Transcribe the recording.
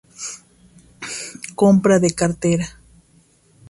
Compra de cartera.